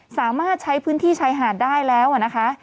สามารถใช้พื้นที่ชายหาดได้แล้วนะคะ